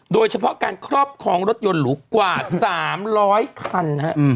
โดยเฉพาะการครอบครองรถยนต์หรูกว่า๓๐๐คัน